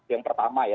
yang pertama ya